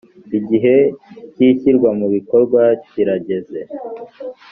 igihe cy’ishyirwa mu bikorwa kirageze